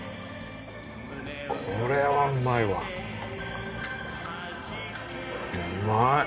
これはうまいわ。